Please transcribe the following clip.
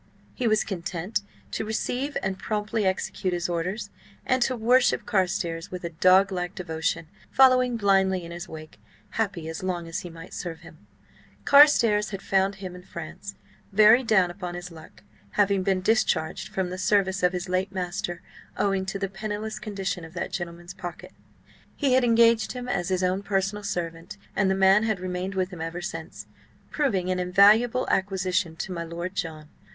He was content to receive and promptly execute his orders, and to worship Carstares with a dog like devotion, following blindly in his wake, happy as long as he might serve him. Carstares had found him in France, very down upon his luck, having been discharged from the service of his late master owing to the penniless condition of that gentleman's pocket. He had engaged him as his own personal servant, and the man had remained with him ever since, proving an invaluable acquisition to my Lord John.